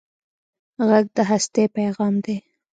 غږ د هستۍ پېغام دی